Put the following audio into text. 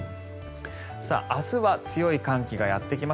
明日は強い寒気がやってきます。